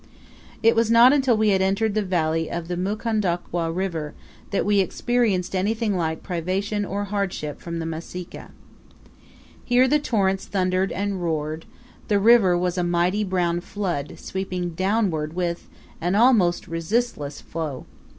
It was not until we had entered the valley of the Mukondokwa River that we experienced anything like privation or hardship from the Masika. Here the torrents thundered and roared; the river was a mighty brown flood, sweeping downward with, an almost resistless flow.